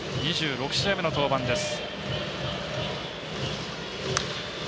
２６試合目の登板です。